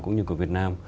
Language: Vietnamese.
cũng như của việt nam